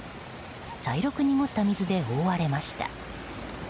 茶色く濁った水で覆われました。